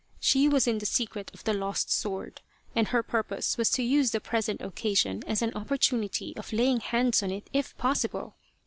She was in the secret of the lost sword, and her purpose was to use the present occasion as an opportunity of laying hands on it if possible.